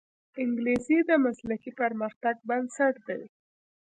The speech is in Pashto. انګلیسي د مسلکي پرمختګ بنسټ دی